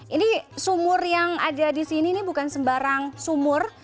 ini sumur yang ada di sini ini bukan sembarang sumur